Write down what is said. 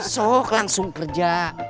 sok langsung kerja